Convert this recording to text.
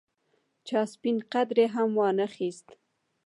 چا سپڼ قدرې هم وانه اخیست.